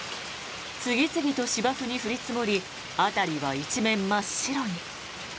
次々と芝生に降り積もり辺りは一面真っ白に。